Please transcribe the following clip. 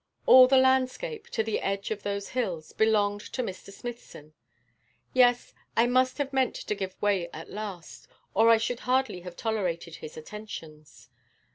All the landscape, to the edge of those hills, belonged to Mr. Smithson. 'Yes, I must have meant to give way at last, or I should hardly have tolerated his attentions.